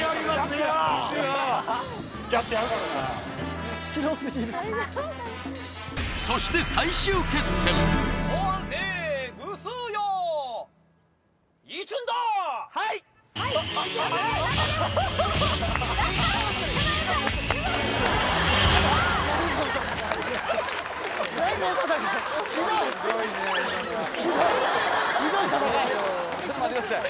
今のはちょっと待ってください